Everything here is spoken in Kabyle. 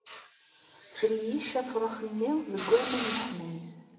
Treyyec afrux-nni deg aman yeḥman...